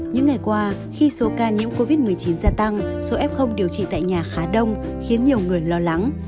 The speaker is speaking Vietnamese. những ngày qua khi số ca nhiễm covid một mươi chín gia tăng số f điều trị tại nhà khá đông khiến nhiều người lo lắng